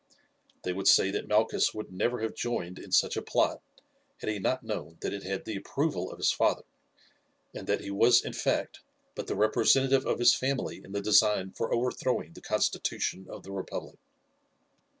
They would say that Malchus would never have joined in such a plot had he not known that it had the approval of his father, and that he was in fact but the representative of his family in the design for overthrowing the constitution of the republic.